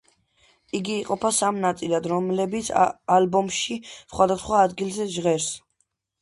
იგი იყოფა სამ ნაწილად, რომლებიც ალბომში, სხვადასხვა ადგილზე ჟღერს.